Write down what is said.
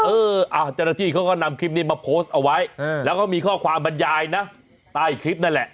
เจ้าหน้าที่เขาก็นำคลิปนี้มาโพสต์เอาไว้แล้วก็มีข้อความบรรยายนะใต้คลิปนั่นแหละ